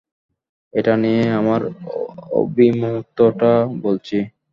এটা নিয়ে আমার অভিমমতটা বলছি।